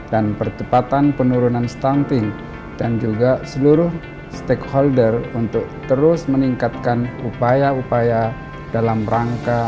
dan pertepatan penurunan stunting dan juga seluruh stakeholder untuk terus meningkatkan upaya upaya dalam rangka